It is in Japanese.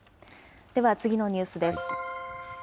では次のニュースです。